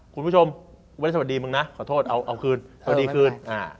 คุณผู้ชมไม่ได้สวัสดีมึงนะขอโทษเอาคืนสวัสดีคืน